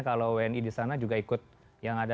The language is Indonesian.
kalau wni di sana juga ikut yang ada